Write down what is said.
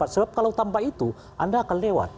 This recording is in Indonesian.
sebab kalau tanpa itu anda akan lewat